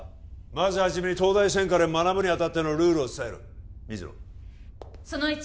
まずはじめに東大専科で学ぶにあたってのルールを伝える水野その１